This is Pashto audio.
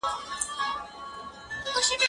پاکوالي وساته؟!